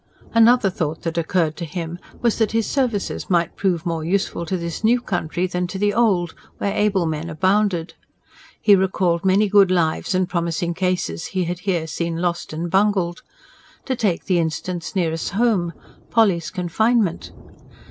Another thought that occurred to him was that his services might prove more useful to this new country than to the old, where able men abounded. He recalled many good lives and promising cases he had here seen lost and bungled. To take the instance nearest home Polly's confinement.